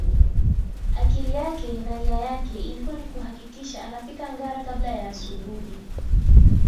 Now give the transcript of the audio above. Akili yake na nia yake ilikuwa ni kuhakikisha anafika ngara kabla ya asubuhi